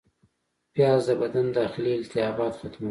پیاز د بدن داخلي التهابات ختموي